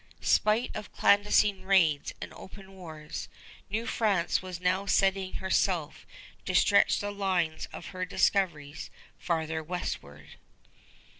Spite of clandestine raids and open wars, New France was now setting herself to stretch the lines of her discoveries farther westward.